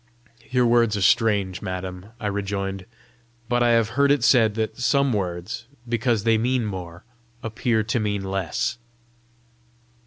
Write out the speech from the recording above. "Your words are strange, madam!" I rejoined. "But I have heard it said that some words, because they mean more, appear to mean less!"